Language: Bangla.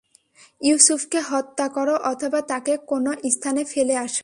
ইউসুফকে হত্যা কর অথবা তাকে কোন স্থানে ফেলে আস।